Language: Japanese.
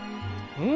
うん。